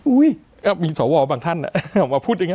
ก็มีสวบางท่านออกมาพูดอย่างนี้